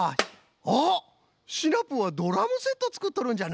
あっシナプーはドラムセットつくっとるんじゃな！